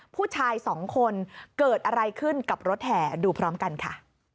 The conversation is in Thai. ผู้ชายสองคนเกิดอะไรขึ้นกับรถแห่ดูพร้อมกันค่ะ